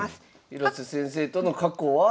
広瀬先生との過去は？